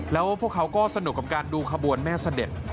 แล้วพวกเขาก็สนุกกับการดูขบวนแม่เสด็จ